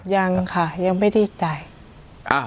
ยังค่ะยังไม่ได้จ่าย